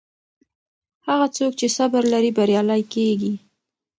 هغه څوک چې صبر لري بریالی کیږي.